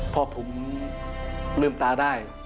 พอผมลืมตาได้